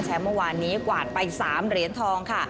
เมื่อวานนี้กวาดไป๓เหรียญทองค่ะ